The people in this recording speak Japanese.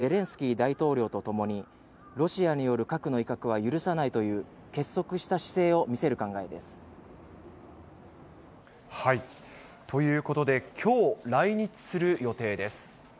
岸田総理はサミットを通じて、各国首脳とゼレンスキー大統領とともに、ロシアによる核の威嚇は許さないという結束した姿勢を見せる考えです。ということで、きょう来日する予定です。